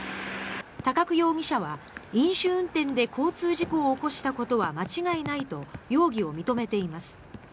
高久容疑者は飲酒運転で交通事故を起こしたことは間違いないと容疑を認めています。